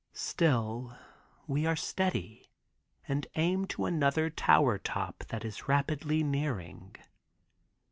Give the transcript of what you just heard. Still we are steady and aim to another tower top that is rapidly nearing.